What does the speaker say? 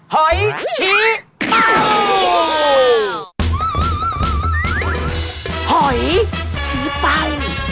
หอยชี้เป่า